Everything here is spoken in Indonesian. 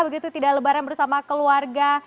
begitu tidak lebaran bersama keluarga